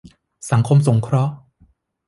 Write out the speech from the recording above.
สังคมสงเคราะห์